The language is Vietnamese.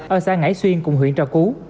ở xã ngãi xuyên cùng huyện trà cú